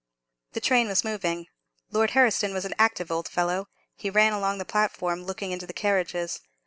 The train was moving. Lord Herriston was an active old fellow. He ran along the platform, looking into the carriages.